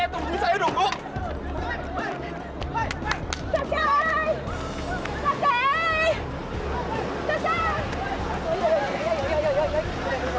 bung payah tunggu saya dong bu